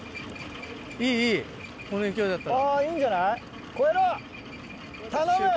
いいいいこの勢いだったら。